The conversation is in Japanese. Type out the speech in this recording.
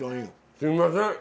すいません。